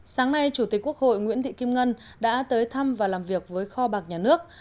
sáng nay chủ tịch quốc hội nguyễn thị kim ngân đã tới thăm và làm việc với kho bạc nhà nước